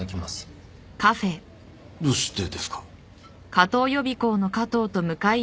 どうしてですか？